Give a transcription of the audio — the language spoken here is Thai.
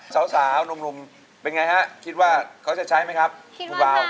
สาวนุ่มเป็นไงฮะคิดว่าเขาจะใช้ไหมครับคุณเบา